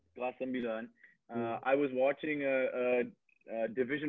sebuah pertandingan kelas di division satu